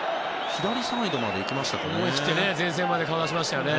左サイドまで行きましたかね。